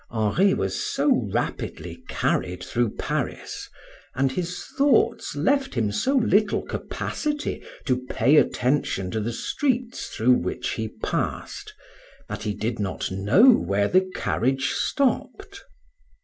Henri was so rapidly carried through Paris, and his thoughts left him so little capacity to pay attention to the streets through which he passed, that he did not know where the carriage stopped.